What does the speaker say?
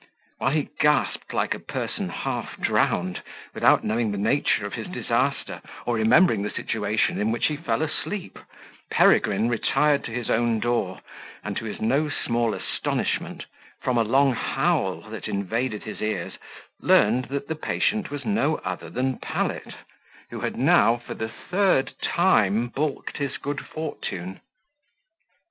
While he gasped like a person half drowned, without knowing the nature of his disaster, or remembering the situation in which he fell asleep, Peregrine retired to his own door, and, to his no small astonishment, from a long howl that invaded his ears, learned that the patient was no other than Pallet, who had now, for the third time, balked his good fortune.